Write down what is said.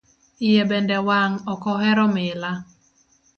Iye bende wang' ok ohero mila.